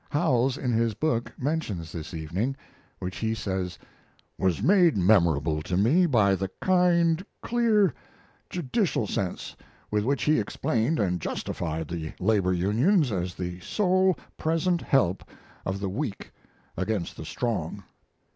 Howells in his book mentions this evening, which he says "was made memorable to me by the kind, clear, judicial sense with which he explained and justified the labor unions as the sole present help of the weak against the strong."